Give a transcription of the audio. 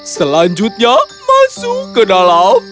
selanjutnya masuk ke dalam